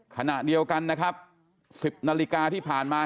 ขณะเดียวกันนะครับ๑๐นาฬิกาที่ผ่านมา